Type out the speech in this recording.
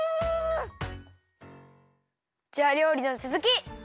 じゃありょうりのつづき！